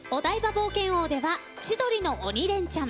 冒険王では「千鳥の鬼レンチャン」